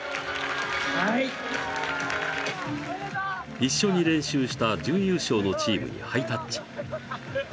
一緒に練習した準優勝のチームにハイタッチ。